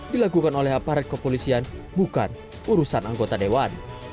dilakukan oleh aparat kepolisian bukan urusan anggota dewan